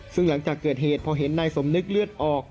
ซึ่งหลังจากเกิดเหตุพอเห็นนายสมนึกเลือดออก